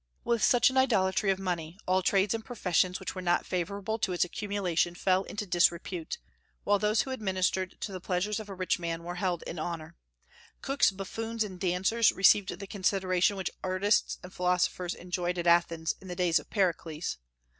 With such an idolatry of money, all trades and professions which were not favorable to its accumulation fell into disrepute, while those who administered to the pleasures of a rich man were held in honor. Cooks, buffoons, and dancers received the consideration which artists and philosophers enjoyed at Athens in the days of Pericles.